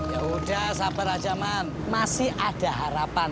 yaudah sabar aja man masih ada harapan